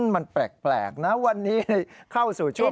มันแปลกนะวันนี้เข้าสู่ช่วง